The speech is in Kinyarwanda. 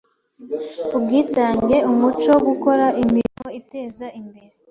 Ubwitange: Umuco wo gukora imirimo iteza imbere